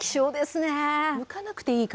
むかなくていいから。